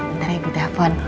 bentar ya ibu dapet